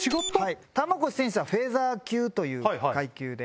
玉越選手はフェザー級という階級で。